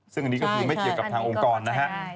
ซึ่งอันนี้ก็คือไม่เกี่ยวกับทางองค์กรนะฮะ